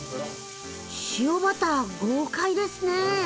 塩バター豪快ですね！